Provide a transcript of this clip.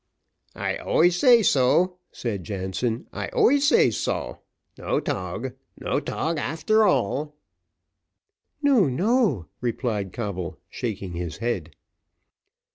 "I always say so," said Jansen, "I always say so no tog, no tog, after all." "No, no," replied Coble, shaking his head.